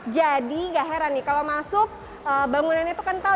jadi gak heran nih kalau masuk bangunannya itu kental